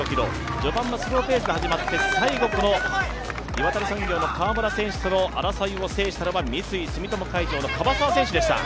序盤はスローペースで始まって、最後、岩谷産業との川村選手との争いを制したのは三井住友海上の樺沢選手でした。